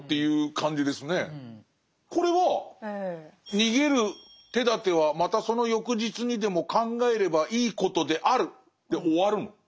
これは「逃げるてだてはまたその翌日にでも考えればいいことである」で終わるの？